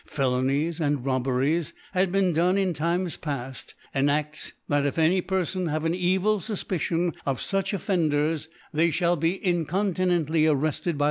Felonies, and Robberies had been done in Times paft, enafts, That if any Pcrfon have an evil Sufpicion of fuch Offenders^ they fhall be incontinently arretted by the ♦ JFeJlm.